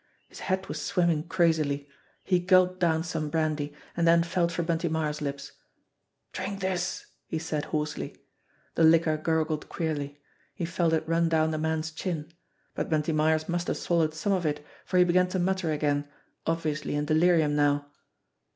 His head was swimming crazily. He gulped down some brandy, and then felt for Bunty Myers' lips. "Drink this !" he said hoarsely. The liquor gurgled queerly. He felt it run down the man's chin but Bunty Myers must have swallowed some of it, for he began to mutter again, obviously in delirium now.